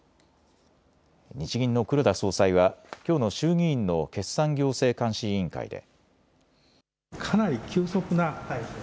日銀の黒田総裁は、きょうの衆議院の決算行政監視委員会で。